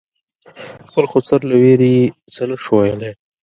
خپل خسر له وېرې یې څه نه شو ویلای.